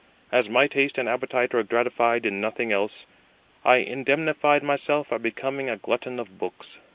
As my taste and appetite were gratified in nothing else, I indemnified myself by becoming a glutton of books.